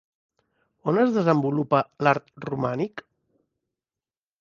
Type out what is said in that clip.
On es desenvolupa l'art romànic?